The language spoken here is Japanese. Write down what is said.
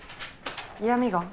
嫌みが？